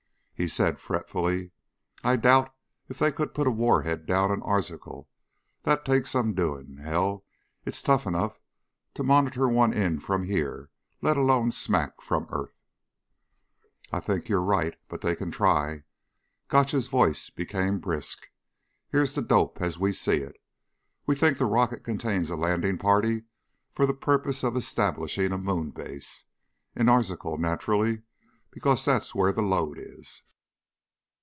He said fretfully, "I doubt if they could put a warhead down on Arzachel. That takes some doing. Hell, it's tough enough to monitor one in from here, let alone smack from earth." "I think you're right, but they can try." Gotch's voice became brisk. "Here's the dope as we see it. We think the rocket contains a landing party for the purpose of establishing a moon base. In Arzachel, naturally, because that's where the lode is."